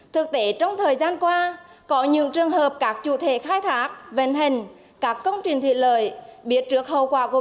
thực tế trong thời gian qua có những trường hợp các chủ thể khai thác vệnh hình các công trình thủy lợi biết trước hậu quả covid một mươi chín